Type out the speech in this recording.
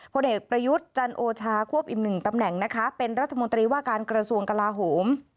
ผลเอกประยุทธ์จันโอชาควบอีกหนึ่งตำแหน่งนะคะเป็นรัฐมนตรีว่าการกระทรวงกลาโหม